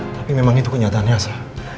tapi memang itu kenyataannya sah